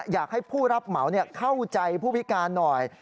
อยากให้ผู้รับเหมาเข้าใจผู้พิการหน่อย